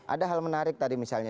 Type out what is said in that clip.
ada hal menarik tadi misalnya